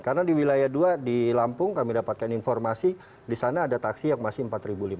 karena di wilayah dua di lampung kami dapatkan informasi di sana ada taksi yang masih rp empat lima ratus